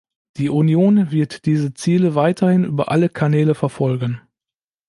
Die Union wird diese Ziele weiterhin über alle Kanäle verfolgen.